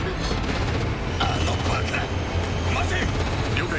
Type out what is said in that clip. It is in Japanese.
了解。